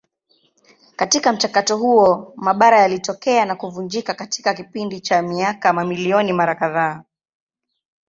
Katika mchakato huo mabara yalitokea na kuvunjika katika kipindi cha miaka mamilioni mara kadhaa.